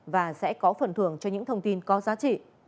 và sẽ có phần thưởng cho những thông tin có giá trị